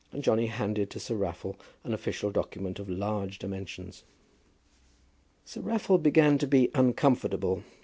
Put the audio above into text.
And Johnny handed to Sir Raffle an official document of large dimensions. Sir Raffle began to be uncomfortable.